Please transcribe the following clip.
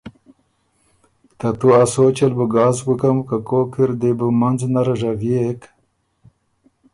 ترتُو ا سوچ ال بُو ګاسک بُکم۔ که کوک اِر دې بُو منځ نر ژغيېک